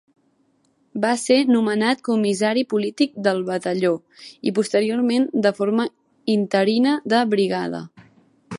Va ser nomenat comissari polític del Batalló i posteriorment de forma interina de Brigada.